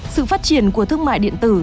sự phát triển của thương mại điện tử